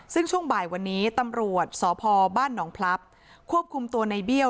ซึ่งช่วงบ่ายวันนี้ตำรวจสพบ้านหนองพลับควบคุมตัวในเบี้ยว